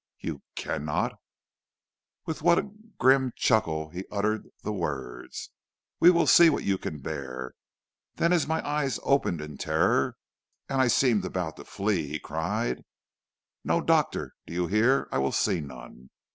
"'You cannot?' With what a grim chuckle he uttered the words. 'We will see what you can bear.' Then as my eyes opened in terror, and I seemed about to flee, he cried, 'No doctor, do you hear? I will see none.